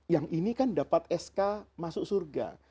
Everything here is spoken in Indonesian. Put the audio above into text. yang ini kan dapat sk masuk surga